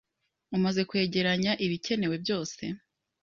Umaze kwegeranya ibikenewe byose